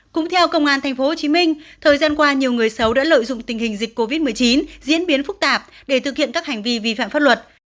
cũng theo công an tp hcm thời gian qua nhiều người xấu đã lợi dụng tình hình dịch covid một mươi chín diễn biến phức tạp để thực hiện các hành vi vi phạm pháp luật